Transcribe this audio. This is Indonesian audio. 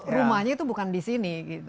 rumahnya itu bukan di sini